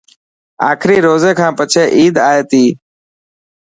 آخري روزي کان پڇي عيد آي تي